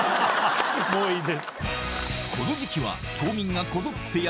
もういいです。